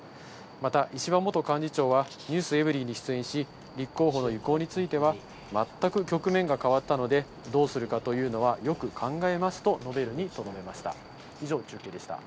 また石破元幹事長は、ｎｅｗｓｅｖｅｒｙ．に出演し、立候補の意向については、全く局面が変わったので、どうするかというのはよく考えますと述べるにとどめました。